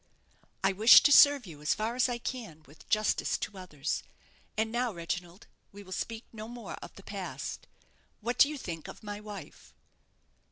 "I wish to serve you as far as I can with justice to others. And now, Reginald, we will speak no more of the past. What do you think of my wife?"